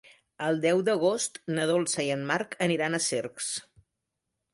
El deu d'agost na Dolça i en Marc aniran a Cercs.